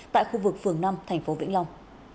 tại khu vực phường năm tp vĩnh long